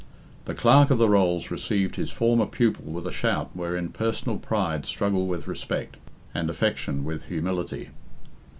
The Clerk of the Rolls received bis former pupil with a shout wherein personal pride struggled with respect, and affection with humility.